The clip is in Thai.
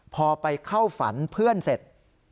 พอไปเข้าฝันเพื่อนเสร็จ